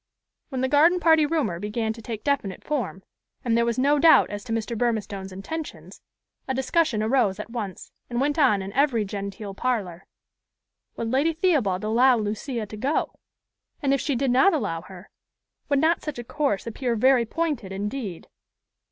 When the garden party rumor began to take definite form, and there was no doubt as to Mr. Burmistone's intentions, a discussion arose at once, and went on in every genteel parlor. Would Lady Theobald allow Lucia to go? and, if she did not allow her, would not such a course appear very pointed indeed?